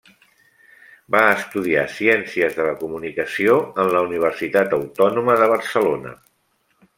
Va estudiar Ciències de la Comunicació en la Universitat Autònoma de Barcelona.